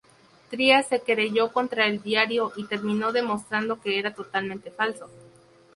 Trias se querelló contra el diario y terminó demostrando que era totalmente falso.